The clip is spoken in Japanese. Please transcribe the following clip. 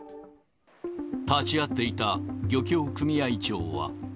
立ち会っていた漁協組合長は。